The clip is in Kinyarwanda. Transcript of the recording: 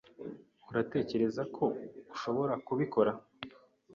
Uratekereza ko ushobora kubikora?